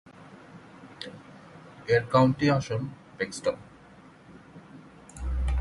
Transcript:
এর কাউন্টি আসন প্যাক্সটন।